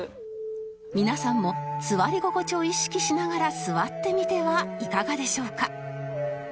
皆さんも座り心地を意識しながら座ってみてはいかがでしょうか？